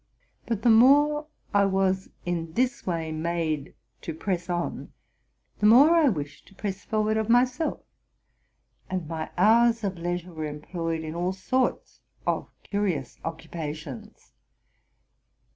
'But the more I was in this way made to press on, the more [ wished to press forward of myself; and my hours of leisure were employed in all sorts of curious occupations.